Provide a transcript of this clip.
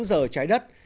giờ trái đất